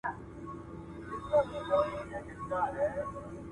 بدن هوا خوشې کوي.